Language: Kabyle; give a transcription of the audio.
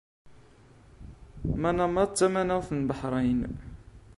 Manama d tamanaɣt n Baḥṛeyn.